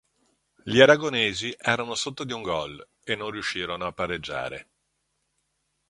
Gli aragonesi erano sotto di un gol e non riuscirono a pareggiare.